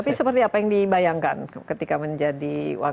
tapi seperti apa yang dibayangkan ketika menjadi wakil